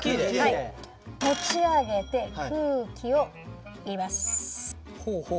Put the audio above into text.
持ち上げて空気を入れます。